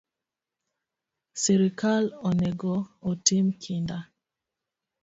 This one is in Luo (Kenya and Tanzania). Sirkal onego otim kinda